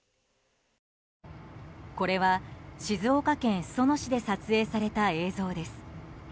これは静岡県裾野市で撮影された映像です。